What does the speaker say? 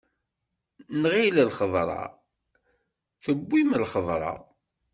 Nɣil d lxeḍra tewwim lxeḍra.